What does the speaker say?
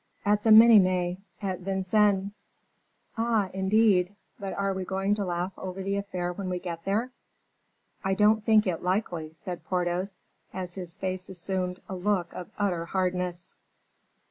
"At the Minimes, at Vincennes." "Ah, indeed! but are we going to laugh over the affair when we get there?" "I don't think it likely," said Porthos, as his face assumed a look of utter hardness.